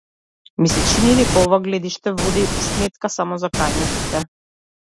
Ми се чини дека ова гледиште води сметка само за крајностите.